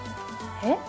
えっ？